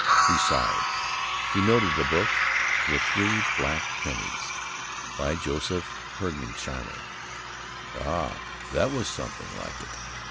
He sighed. He noted a book, "The Three Black Pennies," by Joseph Hergesheimer. Ah, that was something like it!